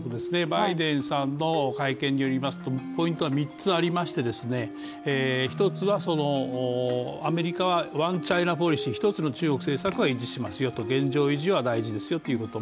バイデンさんの会見によりますとポイントは３つありまして１つはアメリカはワンチャイナポリシー、一つの中国政策は維持しますよ、現状維持は大事ですよということ。